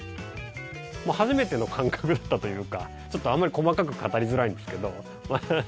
初めての感覚だったというかちょっと、あまり細かく語りづらいんですけど。